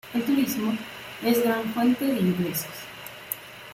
El turismo es gran fuente de ingresos.